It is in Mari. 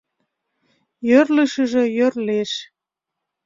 Йӧрлшыжӧ йӧрлеш.